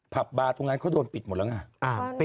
บาร์ตรงนั้นเขาโดนปิดหมดแล้วไง